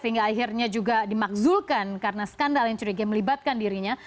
sehingga akhirnya juga dimakzulkan karena skandal yang curiga melibatkan dirinya